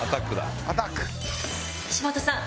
西本さん